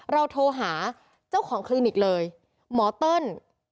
เราโทรหาเจ้าของคลินิกเลยหมอเติ้ล